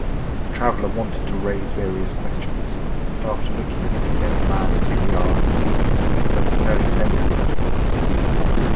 The Traveler wanted to raise various questions, but after looking at the Condemned Man he merely asked, "Does he know his sentence?"